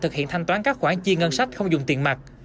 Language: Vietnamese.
thực hiện thanh toán các khoản chi ngân sách không dùng tiền mặt